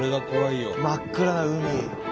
真っ暗な海。